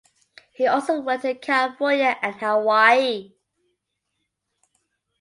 He also worked in California and Hawaii.